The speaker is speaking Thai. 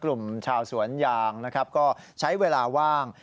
กลุ่มชาวสวนยางนะครับก็ใช้เวลาว่าง